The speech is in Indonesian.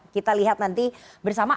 kita lihat nanti bersama